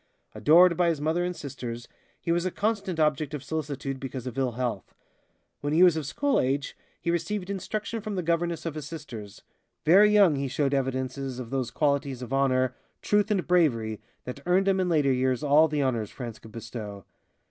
Adored by his mother and sisters, he was a constant object of solicitude because of ill health. When he was of school age he received instruction from the governess of his sisters. Very young he showed evidences of those qualities of honor, truth and bravery that earned him in later years all the honors France could bestow.